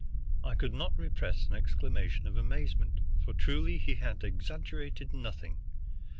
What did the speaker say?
I could not repress an exclamation of amazement, for truly he had exaggerated nothing.